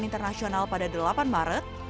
di perjalanan internasional pada delapan maret